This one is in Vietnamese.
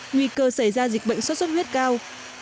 nguy cơ xảy ra dịch bệnh sốt xuất huyết cao